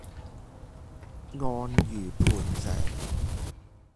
安如磐石